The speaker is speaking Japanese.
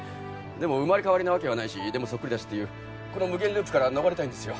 でも生まれ変わりなわけはないしでもそっくりだしっていうこの無限ループから逃れたいんですよ。